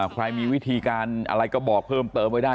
ใครมีวิธีการอะไรก็บอกเพิ่มเติมไว้ได้